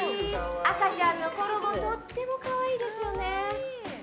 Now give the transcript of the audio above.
赤ちゃんのころもとっても可愛いですよね！